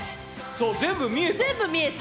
そう全部見えた！